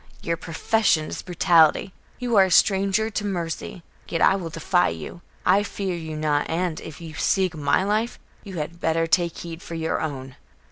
"Your profession is brutality. You are a stranger to mercy; yet I will defy you. I fear you not, and, if you seek my life, you had better take heed for your own."